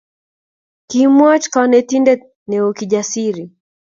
Kimwoch konetindet neo Kijasiri